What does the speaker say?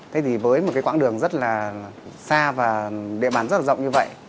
thế thì với một cái quãng đường rất là xa và địa bàn rất là rộng như vậy